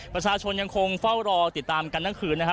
ประชาชนยังคงเฝ้ารอติดตามกันทั้งคืนนะครับ